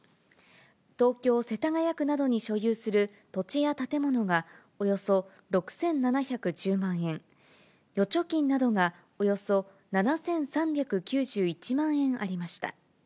東京・世田谷区などに所有する土地や建物が、およそ６７１０万円、預貯金などがおよそ７３９１万円ありました。